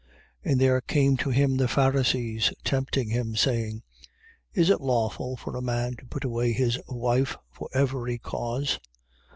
19:3. And there came to him the Pharisees tempting him, saying: Is it lawful for a man to put away his wife for every cause?